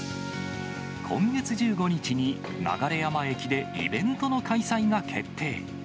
今月１５日に流山駅でイベントの開催が決定。